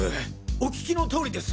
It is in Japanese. お聞きのとおりです。